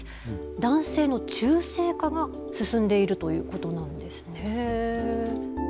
男性の中性化が進んでいるということなんですね。